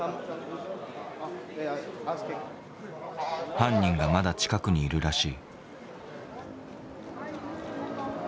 犯人がまだ近くにいるらしい。